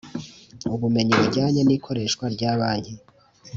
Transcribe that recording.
Ubumenyi bujyanye n ikoreshwa rya banki